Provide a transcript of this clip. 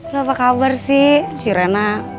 gapapa kabar sih si rena